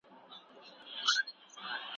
د انګلستان اقتصاد تر ډېرو هېوادونو پياوړی دی.